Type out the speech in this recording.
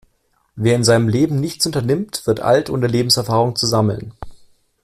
Wer in seinem Leben nichts unternimmt, wird alt, ohne Lebenserfahrung zu sammeln.